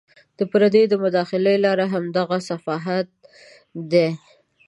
د پردیو د مداخلو لار همدغه صحافت دی.